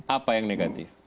apa yang negatif